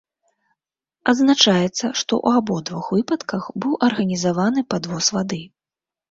Адзначаецца, што ў абодвух выпадках быў арганізаваны падвоз вады.